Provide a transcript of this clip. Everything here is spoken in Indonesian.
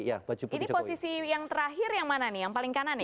ini posisi yang terakhir yang mana nih yang paling kanan ya